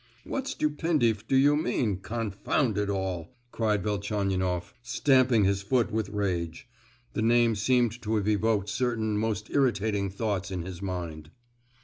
"What Stupendief do you mean, confound it all?" cried Velchaninoff, stamping his foot with rage. The name seemed to have evoked certain most irritating thoughts in his mind.